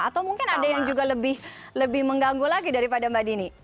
atau mungkin ada yang juga lebih mengganggu lagi daripada mbak dini